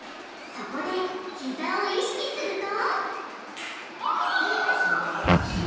そこでひざを意識するとすばらしい！